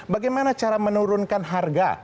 bagaimana cara menurunkan harga